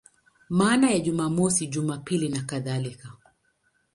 Maana ya Jumamosi, Jumapili nakadhalika.